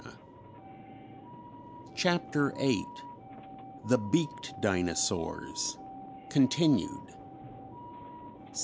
] CHAPTER VIII. THE BEAKED DINOSAURS (Continued.)